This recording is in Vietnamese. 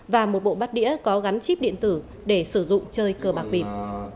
và một bộ bắt đĩa có gắn chip điện tử để sử dụng chơi cơ bạc bịt